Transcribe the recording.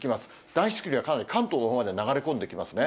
暖湿気流はかなり関東のほうまで流れ込んできますね。